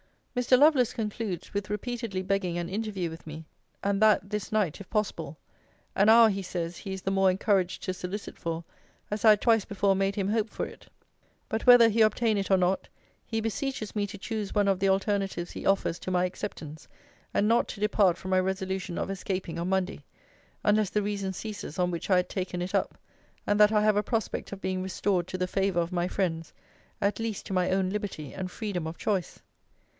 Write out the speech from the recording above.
Mr. Lovelace concludes, 'with repeatedly begging an interview with me; and that, this night, if possible: an hour, he says, he is the more encouraged to solicit for, as I had twice before made him hope for it. But whether he obtain it or not, he beseeches me to choose one of the alternatives he offers to my acceptance; and not to depart from my resolution of escaping on Monday, unless the reason ceases on which I had taken it up; and that I have a prospect of being restored to the favour of my friends; at least to my own liberty, and freedom of choice.'